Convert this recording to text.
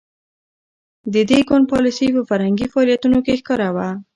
د دې ګوند پالیسي په فرهنګي فعالیتونو کې ښکاره وه.